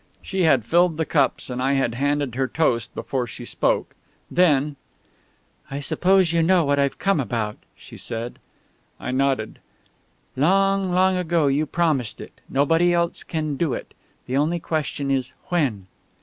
She had filled the cups, and I had handed her toast, before she spoke. Then: "I suppose you know what I've come about," she said. I nodded. "Long, long ago you promised it. Nobody else can do it. The only question is 'when.'"